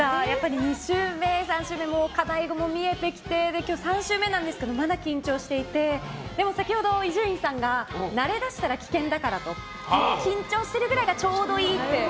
２週目、３週目課題が見えてきて今日３週目なんですけどまだ緊張していてでも先ほど伊集院さんが慣れだしたら危険だから緊張してるくらいがちょうどいいって。